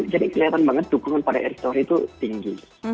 jadi kelihatan banget dukungan pada eric thauhir itu tinggi